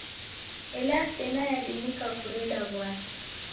Ela sena yadimika kureda w'asi.